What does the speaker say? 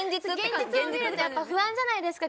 現実を見ると不安じゃないですか